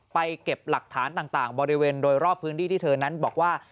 เก็บหลักฐานต่างบริเวณโดยรอบพื้นที่ที่เธอนั้นบอกว่า